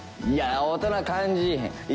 いや大人感じへん。